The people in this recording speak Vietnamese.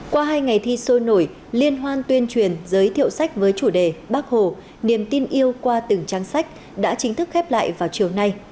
qua hai ngày thi sôi nổi liên hoan tuyên truyền giới thiệu sách với chủ đề bác hồ niềm tin yêu qua từng trang sách đã chính thức khép lại vào chiều nay